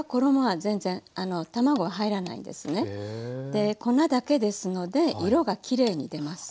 で粉だけですので色がきれいに出ます。